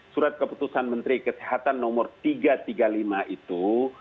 surat keputusan menteri kesehatan nomor tiga ratus tiga puluh lima itu